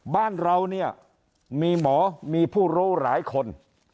บ้านเราเนี่ยมีหมอมีผู้รู้หลายคน